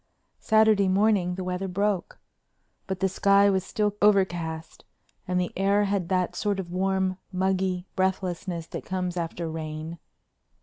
Saturday morning the weather broke. But the sky was still overcast and the air had that sort of warm, muggy breathlessness that comes after rain.